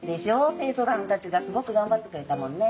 生徒さんたちがすごく頑張ってくれたもんね。